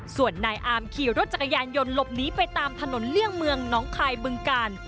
ส่วนนายอามขี่รถจักรยานยนต์หลบหนีไปตามถนนเลี่ยงเมืองน้องคายบึงกาล